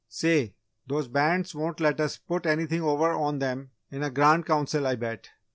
"Say, those Bands won't let us put anything over on them in a Grand Council, I bet!"